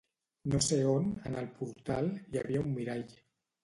No sé on, en el portal, hi havia un mirall.